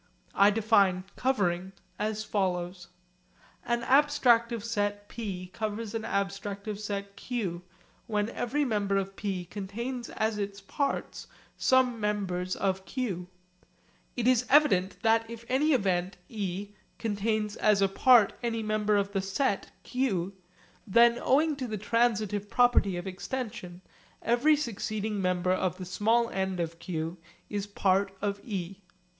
I define 'covering' as follows: An abstractive set p covers an abstractive set q when every member of p contains as its parts some members of q. It is evident that if any event e contains as a part any member of the set q, then owing to the transitive property of extension every succeeding member of the small end of q is part of e.